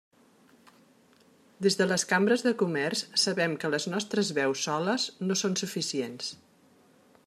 Des de les cambres de comerç sabem que les nostres veus soles no són suficients.